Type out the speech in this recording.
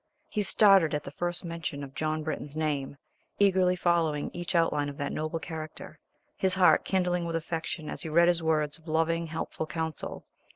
He started at the first mention of John Britton's name, eagerly following each outline of that noble character, his heart kindling with affection as he read his words of loving, helpful counsel.